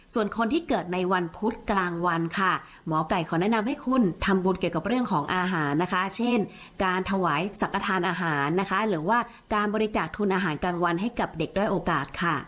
ส่วนคนที่เกิดในวันพุธกลางวันค่ะหมอไก่ขอแนะนำให้คุณทำบุญเกี่ยวกับเรื่องของอาหารนะคะเช่นการถวายสังกระทานอาหารนะคะหรือว่าการบริจาคทุนอาหารกลางวันให้กับเด็กด้อยโอกาสค่ะ